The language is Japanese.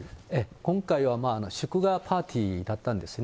今回は祝賀パーティーだったんですね。